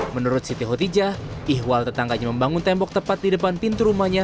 menurut siti hotijah ihwal tetangganya membangun tembok tepat di depan pintu rumahnya